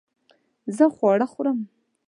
زه خواړه خورم